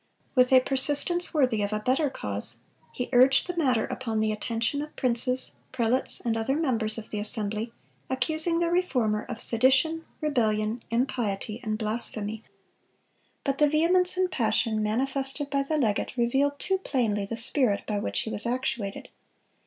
With a persistence worthy of a better cause, he urged the matter upon the attention of princes, prelates, and other members of the assembly, accusing the Reformer of "sedition, rebellion, impiety, and blasphemy." But the vehemence and passion manifested by the legate revealed too plainly the spirit by which he was actuated.